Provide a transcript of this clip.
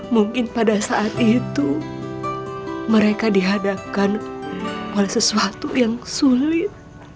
mungkin pada saat itu mereka dihadapkan oleh sesuatu yang sulit